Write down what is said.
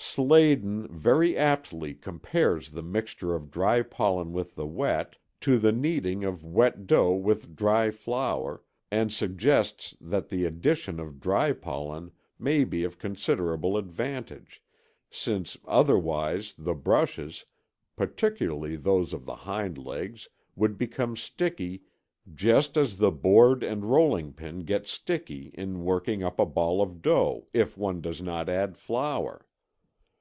Sladen (1912, c) very aptly compares the mixture of dry pollen with wet to the kneading of wet dough with dry flour and suggests that the addition of dry pollen may be of considerable advantage, since otherwise the brushes, particularly those of the hind legs, would become sticky, "just as the board and rolling pin get sticky in working up a ball of dough if one does not add flour."